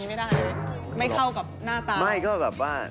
ไม่ได้ไม่เข้ากับหน้าตาไม่ก็แบบว่า